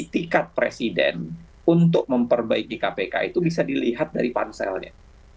itikat presiden untuk memperbaiki kpk itu bisa dilihat dari panselnya